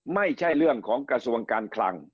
ไม่ใช่เรื่องของกระทรวงการคลัง